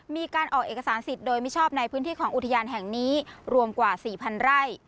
มีการออกเอกสารสิทธิ์โดยมิชอบในพื้นที่ของอุทยานแห่งนี้รวมกว่า๔๐๐ไร่